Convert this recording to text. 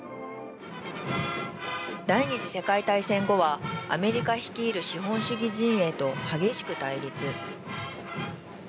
第２次世界大戦後はアメリカ率いる資本主義陣営と激しく対立。